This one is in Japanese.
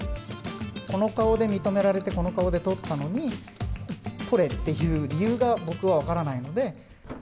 この顔で認められて、この顔で通ったのに、取れっていう理由が、僕は分からないので。